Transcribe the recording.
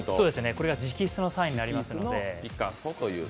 これが直筆のサインになりますので。